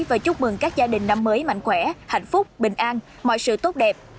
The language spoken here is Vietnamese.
và chúc mừng các gia đình năm mới mạnh khỏe hạnh phúc bình an mọi sự tốt đẹp